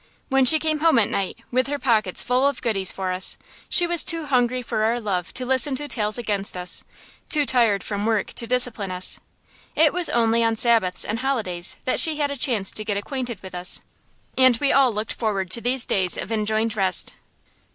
When she came home at night, with her pockets full of goodies for us, she was too hungry for our love to listen to tales against us, too tired from work to discipline us. It was only on Sabbaths and holidays that she had a chance to get acquainted with us, and we all looked forward to these days of enjoined rest.